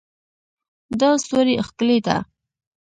دا ستوری ښکلی ده